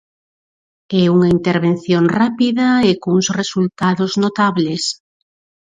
E unha intervención rápida e cuns resultados notables.